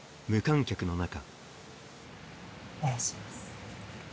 お願いします。